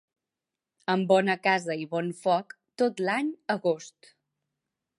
Amb bona casa i bon foc, tot l'any agost.